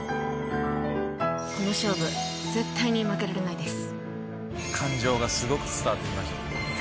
この勝負絶対に負けられないです。